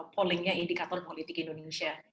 pollingnya indikator politik indonesia